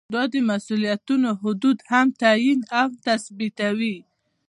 دا د مسؤلیتونو حدود هم تعین او تثبیتوي.